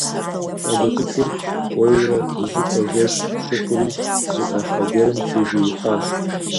ЩӀалэ цӀыкӀур кӀуэурэ, зыщӀыпӀэ жэщ щыхъури, зы Ӏуащхьэ гуэрым тежеихьащ.